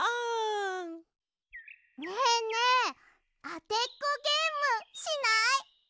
ねえねえあてっこゲームしない？